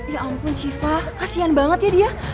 ya ampun siva kasihan banget yaa